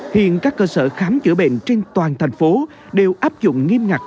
hiện các cơ sở khám chữa bệnh trên toàn thành phố đều áp dụng nghiêm ngặt